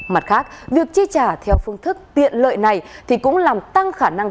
mặt khác việc chi trả theo phương thức tiện lợi này thì cũng làm tăng khả năng